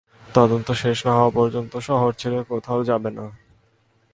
তদন্ত শেষ না হওয়া পর্যন্ত শহর ছেড়ে কোত্থাও যাবে না।